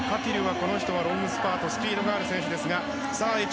この人はロングスパートスピードのある選手ですが。